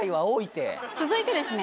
続いてですね